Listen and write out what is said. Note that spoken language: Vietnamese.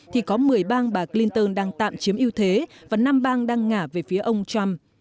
thì có một mươi bang bà clinton đang tạm chiếm ưu thế và năm bang đang ngả về phía ông trump